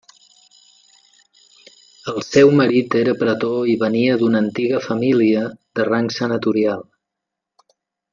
El seu marit era pretor i venia d'una antiga família de rang senatorial.